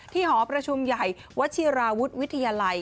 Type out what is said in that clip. หอประชุมใหญ่วัชิราวุฒิวิทยาลัย